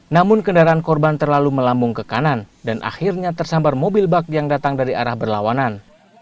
namun kendaraan korban terlalu melambung ke kanan dan akhirnya tersambar mobil bak yang datang dari arah berlawanan